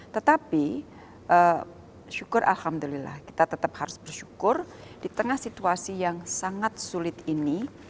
tetapi syukur alhamdulillah kita tetap harus bersyukur di tengah situasi yang sangat sulit ini